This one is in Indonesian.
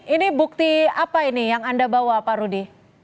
ini bukti apa ini yang anda bawa pak rudi